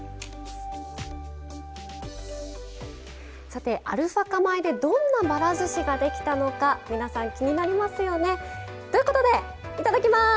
さてアルファ化米でどんなばらずしができたのか皆さん気になりますよね。ということでいただきます！